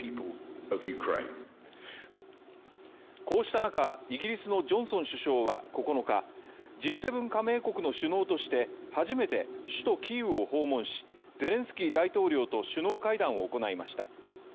こうした中、イギリスのジョンソン首相は９日Ｇ７加盟国の首脳として初めて首都キーウを訪問しゼレンスキー大統領と首脳会談を行いました。